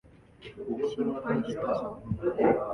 心配したぞ。